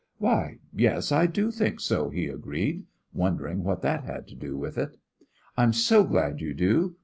"Why, yes, I do think so," he agreed, wondering what that had to do with it. "I'm so glad you do.